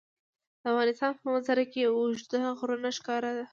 د افغانستان په منظره کې اوږده غرونه ښکاره ده.